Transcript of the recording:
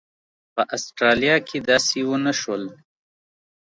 په اسټرالیا کې داسې ونه شول.